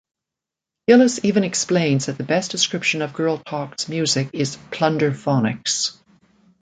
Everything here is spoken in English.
Gillis even explains that the best description of Girl Talk's music is Plunderphonics.